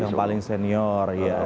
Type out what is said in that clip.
yang paling senior ya